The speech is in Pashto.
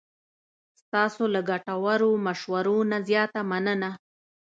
ستاسو له ګټورو مشورو نه زیاته مننه.